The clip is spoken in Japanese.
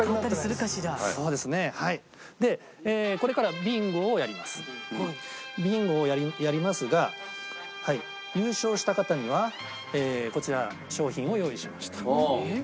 ビンゴをやりますが優勝した方にはこちら賞品を用意しました。